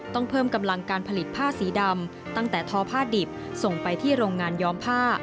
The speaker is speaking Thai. ต้องเพิ่มกำลังการผลิตผ้าสีดำตั้งแต่ทอผ้าดิบส่งไปที่โรงงานย้อมผ้า